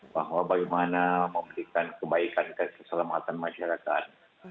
bahwa bagaimana memberikan kebaikan dan keselamatan masyarakat